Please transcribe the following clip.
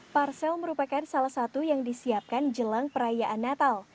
parsel merupakan salah satu yang disiapkan jelang perayaan natal